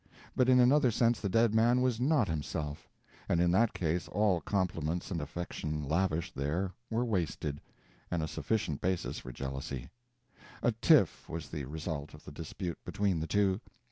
But in another sense the dead man was not himself; and in that case all compliments and affection lavished there were wasted, and a sufficient basis for jealousy. A tiff was the result of the dispute between the two.